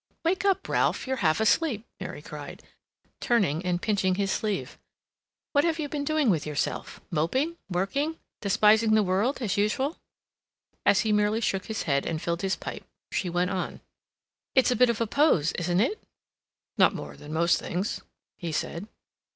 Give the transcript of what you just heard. "Wake up, Ralph! You're half asleep!" Mary cried, turning and pinching his sleeve. "What have you been doing with yourself? Moping? Working? Despising the world, as usual?" As he merely shook his head, and filled his pipe, she went on: "It's a bit of a pose, isn't it?" "Not more than most things," he said.